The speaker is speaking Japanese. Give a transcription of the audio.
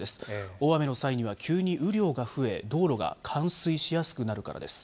大雨の際には急に雨量が増え、道路が冠水しやすくなるからです。